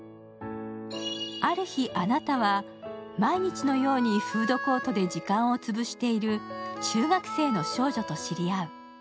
ある日、「あなた」は毎日のようにフードコートで時間をつぶしている中学生の少女と知り合う。